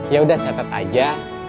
yaudah catet aja